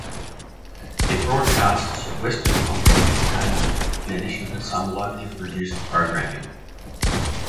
It broadcasts Western content entertainment in addition to some locally produced programming.